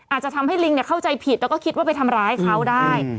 อาจจะทำให้ลิงเข้าใจผิดแล้วก็คิดว่าไปทำร้ายเขาได้